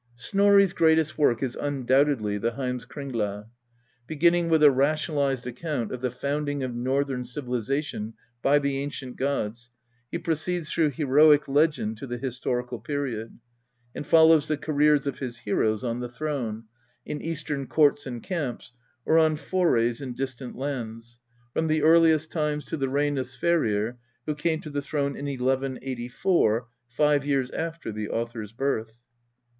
Snorri's greatest work is undoubtedly the HeimskringlaJ' Beginning with a rationalized account of the founding of Northern civilization by the ancient gods, he proceeds through heroic legend to the historical period, and follows the careers of his heroes on the throne, in Eastern courts and camps, or on forays in distant lands, from the earliest times to the reign of Sverrir, who came to the throne in 1 1 84, five years after the author's birth.